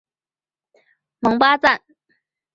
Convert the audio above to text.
蒙巴赞。